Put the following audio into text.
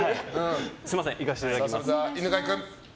すみませんいかせていただきます。